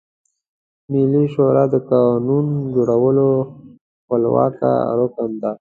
ملي شورا د قانون جوړولو خپلواکه رکن ده.